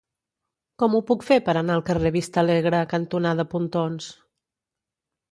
Com ho puc fer per anar al carrer Vistalegre cantonada Pontons?